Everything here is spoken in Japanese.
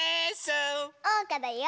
おうかだよ！